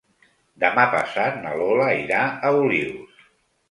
Demà passat na Lola irà a Olius.